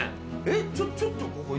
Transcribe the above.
えっちょっとここ。